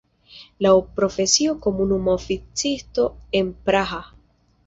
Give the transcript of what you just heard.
Laŭ profesio komunuma oficisto en Praha.